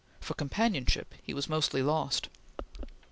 For companionship he was mostly lost.